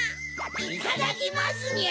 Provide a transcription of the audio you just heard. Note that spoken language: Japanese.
いただきますにゃ！